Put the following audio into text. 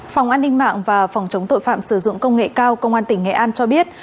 phòng an ninh mạng và phòng chống tội phạm sử dụng công nghệ cao công an tỉnh nghệ an cho biết